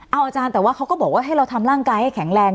เอาอาจารย์แต่ว่าเขาก็บอกว่าให้เราทำร่างกายให้แข็งแรง